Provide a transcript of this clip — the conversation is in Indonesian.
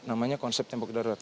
namanya konsep tembok darurat